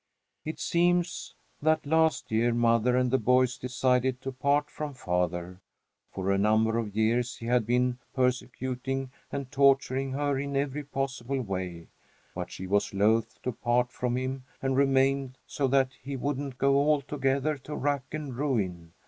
It seems that, last year, mother and the boys decided to part from father. For a number of years he had been persecuting and torturing her in every possible way, but she was loath to part from him and remained, so that he wouldn't go altogether to rack and ruin.